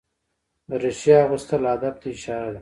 دریشي اغوستل ادب ته اشاره ده.